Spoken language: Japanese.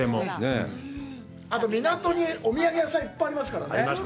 あと、港にお土産屋さんがいっぱいありますからね。